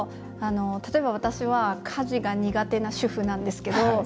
例えば、私は家事が苦手な主婦なんですけど。